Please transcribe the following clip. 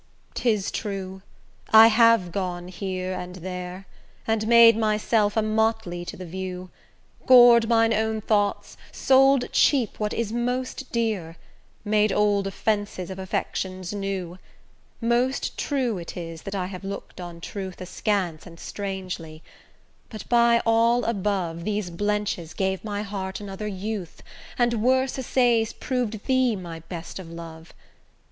'tis true, I have gone here and there, And made my self a motley to the view, Gor'd mine own thoughts, sold cheap what is most dear, Made old offences of affections new; Most true it is, that I have look'd on truth Askance and strangely; but, by all above, These blenches gave my heart another youth, And worse essays prov'd thee my best of love.